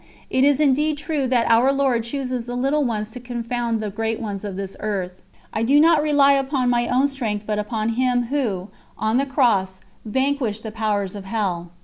It is indeed true that Our Lord chooses the little ones to confound the great ones of this earth. I do not rely upon my own strength but upon Him Who, on the Cross, vanquished the powers of hell.